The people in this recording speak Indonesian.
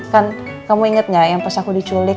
kan kamu inget gak yang pas aku diculik